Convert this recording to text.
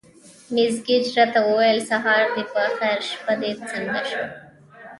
مس ګېج راته وویل: سهار دې په خیر، شپه دې څنګه شوه؟